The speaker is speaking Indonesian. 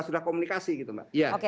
sudah komunikasi gitu mbak